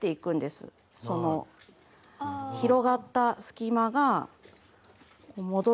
その広がった隙間が戻る。